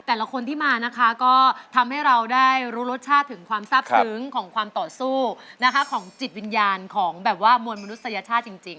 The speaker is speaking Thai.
แต่ละคนที่มานะคะก็ทำให้เราได้รู้รสชาติถึงความทราบซึ้งของความต่อสู้นะคะของจิตวิญญาณของแบบว่ามวลมนุษยชาติจริง